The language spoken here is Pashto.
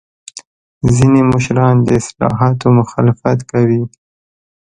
ځینې مشران د اصلاحاتو مخالفت کوي.